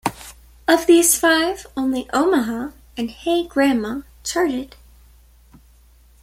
Of these five, only "Omaha" and "Hey Grandma" charted.